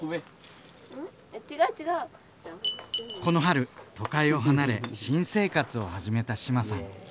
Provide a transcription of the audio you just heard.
この春都会を離れ新生活を始めた志麻さん。